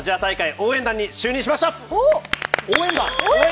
応援団に就任しました！